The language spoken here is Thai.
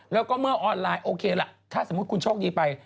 แล้วก็เมื่อออนไลน์โอเคล่ะถ้าสมมุติคุณโชคดีไป